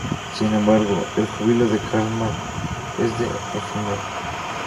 Sin embargo, el júbilo de Cartman es de efímero.